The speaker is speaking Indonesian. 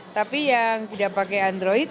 tapi yang tidak pakai android